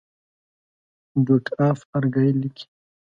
ډوک آف ارګایل لیکي.